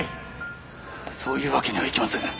そういうわけにはいきません。